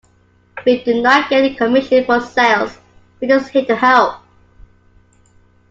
We do not get a commission for sales, we're just here to help.